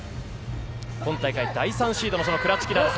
今大会、第３シードのクラチキナです。